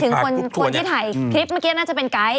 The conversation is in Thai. ถึงคนที่ถ่ายคลิปเมื่อกี้น่าจะเป็นไกด์